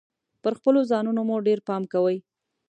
پر خپلو ځانونو مو ډیر پام کوﺉ .